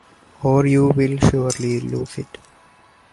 Or you will surely lose it.